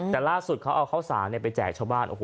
แต่ล่าสุดเขาเอาข้าวสารไปแจกชาวบ้านโอ้โห